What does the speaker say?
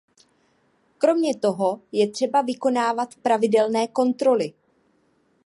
Kromě toho je třeba vykonávat pravidelné kontroly.